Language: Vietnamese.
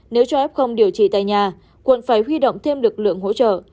nếu cho phép không điều trị tại nhà quận phải huy động thêm lực lượng hỗ trợ